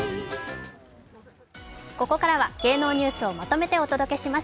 ここからは芸能ニュースをまとめてお届けします